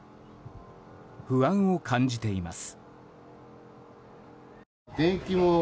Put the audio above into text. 不安を感じています。